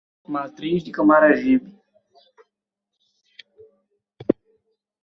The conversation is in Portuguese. Matriz de Camaragibe